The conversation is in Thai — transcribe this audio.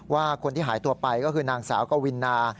ว่าคนที่หายตัวไปก็คือนางสาวกวินา